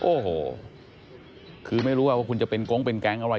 โอ้โหคือไม่รู้ว่าคุณจะเป็นกงเป็นแก๊งอะไร